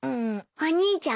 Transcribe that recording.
お姉ちゃん。